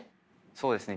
そうですね。